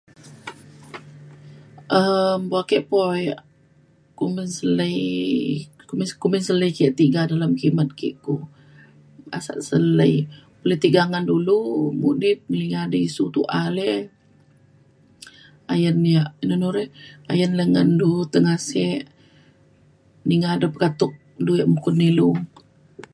um buk ake po yak kumbin selei kumbin kumbin selei yak tiga dalem kimet ke ku asat selei lu ti tiga ngan dulu mudip ngelinga di isiu de tu’a le ayen yak nu nu re ayen le ngen du te ngasek ninga de pekatuk du yak mukun ilu